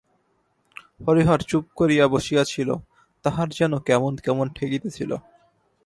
হরিহর চুপ করিয়া বসিয়া ছিল, তাহার যেন কেমন কেমন ঠেকিতেছিল।